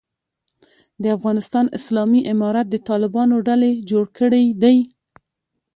د افغانستان اسلامي امارت د طالبانو ډلې جوړ کړی دی.